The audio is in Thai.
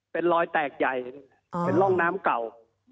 เป็นรอยแตกใหญ่เป็นร่องน้ำเก่า